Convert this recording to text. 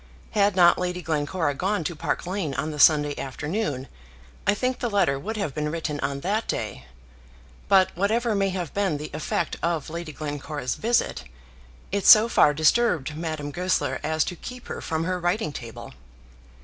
Had not Lady Glencora gone to Park Lane on the Sunday afternoon, I think the letter would have been written on that day; but, whatever may have been the effect of Lady Glencora's visit, it so far disturbed Madame Goesler as to keep her from her writing table.